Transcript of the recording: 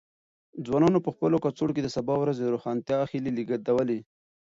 ځوانانو په خپلو کڅوړو کې د سبا ورځې د روښانتیا هیلې لېږدولې.